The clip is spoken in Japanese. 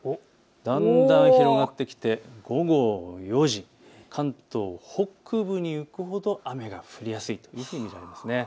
だんだん広がってきて午後４時、関東北部に行くほど雨が降りやすいと見られます。